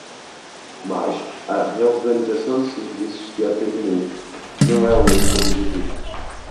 Mas a reorganização dos serviços de atendimento não é o único objetivo.